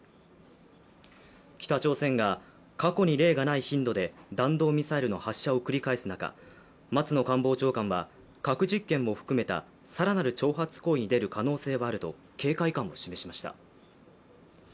北朝鮮が過去に例がない頻度で弾道ミサイルの発射を繰り返す中松野官房長官は、核実験を含めた更なる挑発行為に出る可能性はあると、警戒感を示しました。